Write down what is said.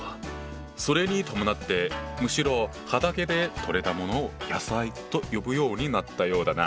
それに伴ってむしろ畑で取れたものを「野菜」と呼ぶようになったようだな。